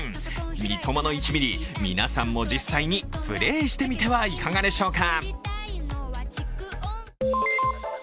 三笘の１ミリ、皆さんも実際にプレーしてみてはいかがでしょうか？